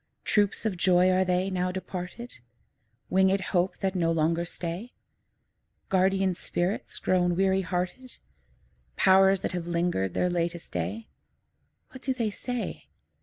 Troops of joys are they, now departed? Winged hopes that no longer stay? Guardian spirits grown weary hearted? Powers that have linger'd their latest day? What do they say?